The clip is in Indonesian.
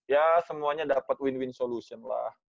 ya semuanya dapat win win solution lah